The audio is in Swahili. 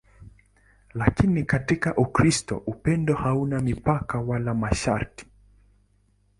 Lakini katika Ukristo upendo hauna mipaka wala masharti.